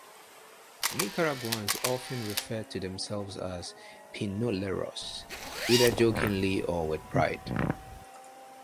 Nicaraguans often refer to themselves as "Pinoleros", either jokingly or with pride.